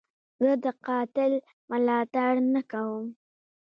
زه د قاتل ملاتړ نه کوم.